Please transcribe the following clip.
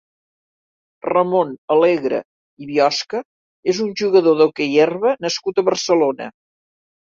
Ramon Alegre i Biosca és un jugador d'hoquei herba nascut a Barcelona.